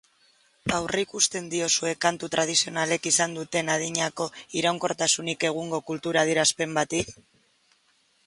Aurreikusten diozue kantu tradizionalek izan duten adinako iraunkortasunik egungo kultur adierazpenen bati?